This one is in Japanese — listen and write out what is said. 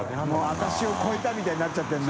「私を超えた」みたいになっちゃってるな。